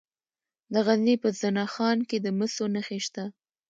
د غزني په زنه خان کې د مسو نښې شته.